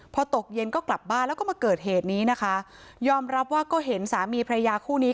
พอตกเย็นก็กลับบ้านแล้วก็มาเกิดเหตุนี้นะคะยอมรับว่าก็เห็นสามีพระยาคู่นี้